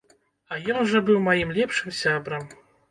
А ён жа быў маім лепшым сябрам!